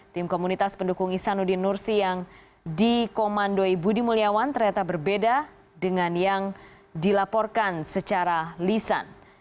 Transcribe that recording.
tim komunitas pendukung ihsanuddin nursi yang dikomandoi budi mulyawan ternyata berbeda dengan yang dilaporkan secara lisan